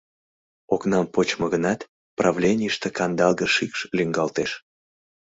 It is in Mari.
Окнам почмо гынат, правленийыште кандалге шикш лӱҥгалтеш.